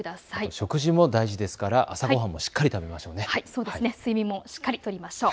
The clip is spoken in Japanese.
食事も大事ですから朝ごはんもしっかりとりましょう。